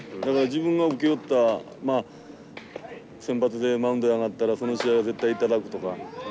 だから自分が請け負ったまあ先発でマウンドへ上がったらその試合は絶対頂くとか。